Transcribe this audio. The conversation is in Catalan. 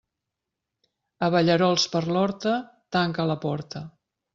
Abellerols per l'horta, tanca la porta.